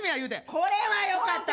これはよかった！